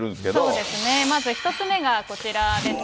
そうですね、まず１つ目がこちらです。